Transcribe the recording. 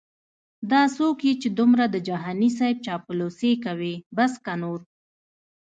دا څوک یې چې دمره د جهانې صیب چاپلوسې کوي بس که نو